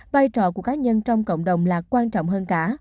vai trò của cá nhân trong cộng đồng là quan trọng hơn cả